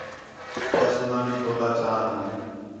ٻِیا سُنا بھی تولا چا آنو